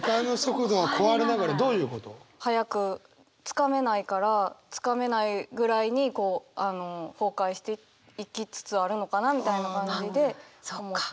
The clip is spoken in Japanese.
早く掴めないから掴めないぐらいに崩壊していきつつあるのかなみたいな感じで思って。